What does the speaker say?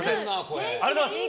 ありがとうございます。